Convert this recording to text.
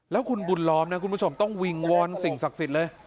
แล้วคุณบุญล้อมนะคุณผู้ชมต้องวิงวอนสิ่งศักดิ์สิทธิ์เลย